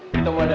kita mau ada